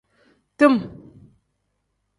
Tim.